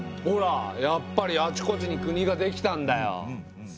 ほらやっぱりあちこちに国ができたんだよ。